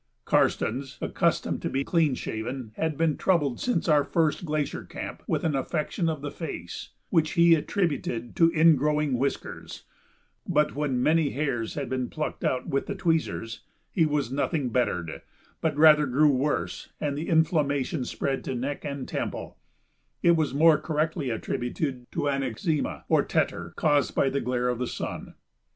Karstens, accustomed to be clean shaven, had been troubled since our first glacier camp with an affection of the face which he attributed to "ingrowing whiskers," but when many hairs had been plucked out with the tweezers and he was nothing bettered, but rather grew worse and the inflammation spread to neck and temple, it was more correctly attributed to an eczema, or tetter, caused by the glare of the sun.